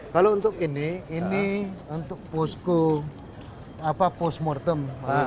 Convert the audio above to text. kalau untuk ini ini untuk posko postmortem